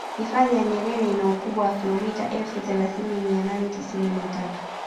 hifadhi ya nyerere ina ukubwa wa kilomita elfu thelathini mia nane tisini na tatu